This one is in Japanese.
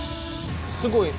すごい！